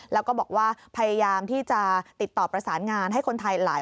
แล้วก็บอกว่าพยายามที่จะติดต่อประสานงานให้คนไทยหลาย